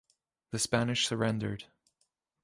The Spanish surrendered.